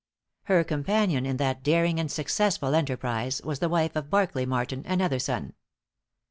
Her companion in that daring and successful enterprise was the wife of Barkly Martin, another son.